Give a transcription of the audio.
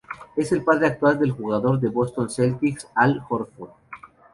Es el padre del actual jugador de Boston Celtics Al Horford.